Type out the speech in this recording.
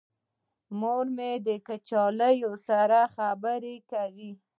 مور مې د کچالو سره خبرې کوي.